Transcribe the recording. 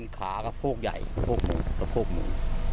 ขาก็โภกใหญ่โภกหมูก็โภกหมู